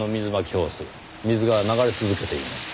ホース水が流れ続けています。